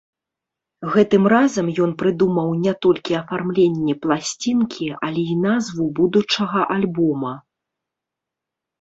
Гэтым разам ён прыдумаў не толькі афармленне пласцінкі, але і назву будучага альбома.